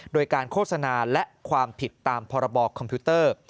โดยการโฆษณาและความผิดตามพรบคอมพิวเตอร์